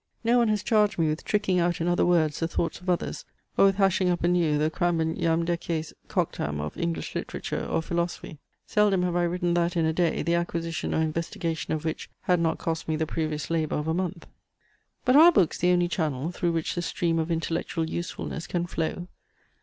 No one has charged me with tricking out in other words the thoughts of others, or with hashing up anew the cramben jam decies coctam of English literature or philosophy. Seldom have I written that in a day, the acquisition or investigation of which had not cost me the previous labour of a month. But are books the only channel through which the stream of intellectual usefulness can flow?